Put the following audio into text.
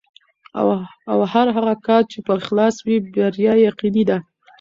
او هر هغه کار چې په اخلاص وي، بریا یې یقیني ده.